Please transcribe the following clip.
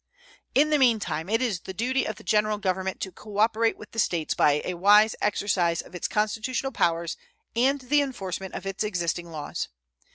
In the meantime it is the duty of the General Government to cooperate with the States by a wise exercise of its constitutional powers and the enforcement of its existing laws.